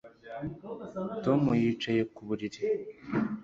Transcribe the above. Tom yicaye ku buriri